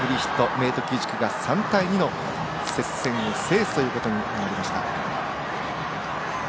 明徳義塾が３対２の接戦を制すということになりました。